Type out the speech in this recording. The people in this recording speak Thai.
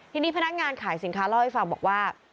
ทีนี้พนักงานขายสินค้าเล่าให้ฟังบอกว่า